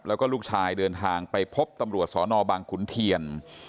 แล้วก็ลูกชายเดินทางไปพบตำรวจสนบางขุนเทียน